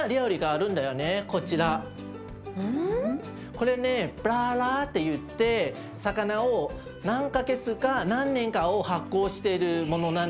これねプラーラーといって魚を何か月か何年か発酵してるものなんだよね。